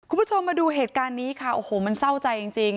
คุณผู้ชมมาดูเหตุการณ์นี้ค่ะโอ้โหมันเศร้าใจจริง